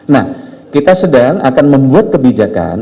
nah kita sedang akan membuat kebijakan